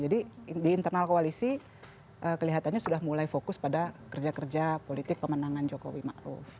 jadi di internal koalisi kelihatannya sudah mulai fokus pada kerja kerja politik pemenangan jokowi ma'ruf